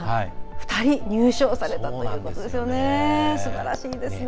２人入賞されたということですばらしいですね。